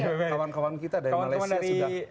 kawan kawan kita dari malaysia sudah